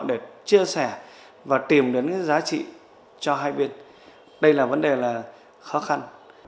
để chia sẻ và tìm đến giá trị cho hai bên đây là vấn đề khó khăn